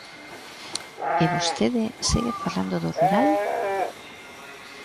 ¿E vostede segue falando do rural?